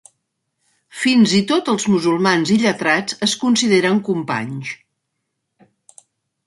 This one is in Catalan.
Fins i tot els musulmans illetrats es consideren companys.